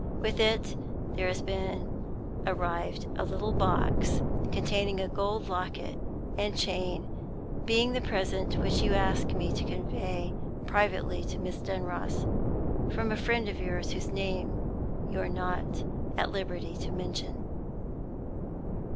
With it, there has arrived a little box, containing a gold locket and chain; being the present which you ask me to convey privately to Miss Dunross, from a friend of yours whose name you are not at liberty to mention.